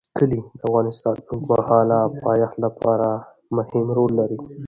کلي د افغانستان د اوږدمهاله پایښت لپاره مهم رول لري.